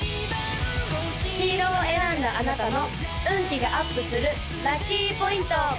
黄色を選んだあなたの運気がアップするラッキーポイント！